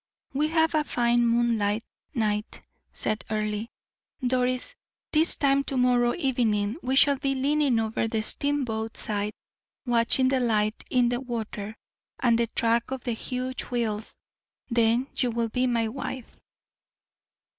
"We have a fine moonlight night," said Earle. "Doris, this time to morrow evening we shall be leaning over the steamboat side, watching the light in the water, and the track of the huge wheels; then you will be my wife."